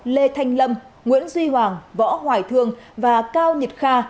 lê thanh lâm nguyễn duy hoàng võ hoài thương và cao nhật kha